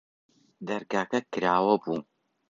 دەرگاکە کراوە بوو.